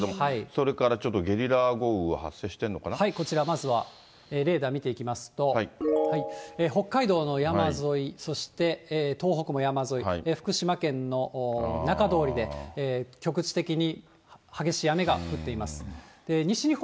それからちょっとゲリラ豪雨が発こちら、まずはレーダー見ていただきますと、北海道の山沿い、そして東北も山沿い、福島県の中通りで局地的に激しい雨が降っています。